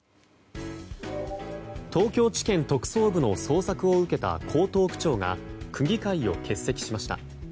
東京地検特捜部の捜索を受けた江東区長が区議会を欠席しました。